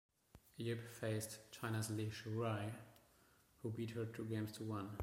Yip faced China's Li Xuerui, who beat her two games to one.